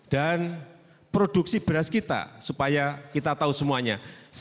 dan produksi beras kita supaya kita tahu semuanya